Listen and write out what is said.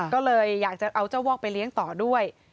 ก็เลยอยากจะเอาเจ้าวอกไปเลี้ยงต่อด้วย